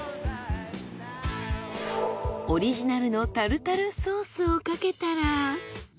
オリジナルのタルタルソースをかけたら。